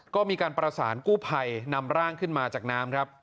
ก็มีการประสานกู้ภัยนำร่างขึ้นมาจากน้ำครับ